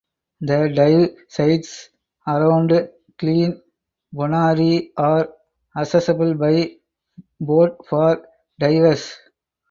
The dive sites around Klein Bonaire are accessible by boat for divers.